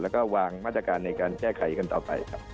แล้วก็วางมาตรการในการแก้ไขกันต่อไปครับ